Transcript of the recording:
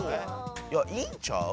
いやいいんちゃう？